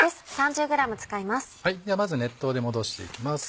ではまず熱湯でもどしていきます。